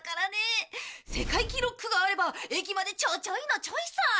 世界記ロックがあれば駅までちょちょいのちょいさ！